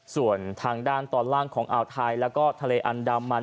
ส่วนทางด้านตอนล่างของอ่าวไทยแล้วก็ทะเลอันดามัน